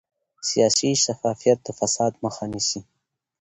سیاسي شفافیت د فساد مخه نیسي